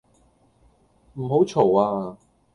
唔好嘈呀